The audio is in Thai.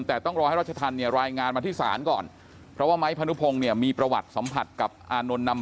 แต่ต้องรอให้รัชธรรมเนี่ยรายงานมาที่ศาลก่อนเพราะว่าไม้พนุพงศ์เนี่ยมีประวัติสัมผัสกับอานนท์นำ